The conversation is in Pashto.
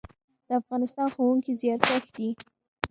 د افغانستان ښوونکي زیارکښ دي